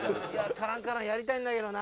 カランカランやりたいんだけどな。